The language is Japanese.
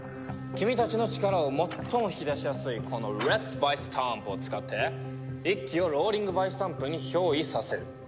君たちの力を最も引き出しやすいこのレックスバイスタンプを使って一輝をローリングバイスタンプに憑依させる。